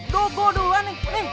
dugo duluan nih